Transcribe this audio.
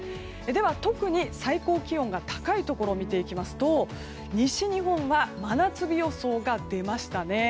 では特に最高気温が高いところを見ていきますと西日本は真夏日予想が出ましたね。